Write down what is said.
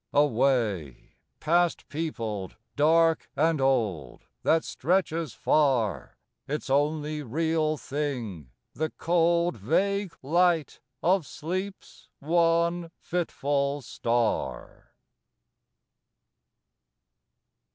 A way, Past peopled, dark and old, That stretches far Its only real thing, the cold Vague light of Sleep's one fitful star.